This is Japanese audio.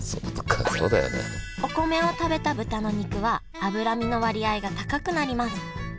お米を食べた豚の肉は脂身の割合が高くなります。